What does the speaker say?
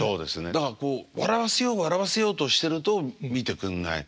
だからこう笑わせよう笑わせようとしてると見てくんない。